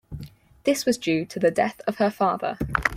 This was due to the death of her father.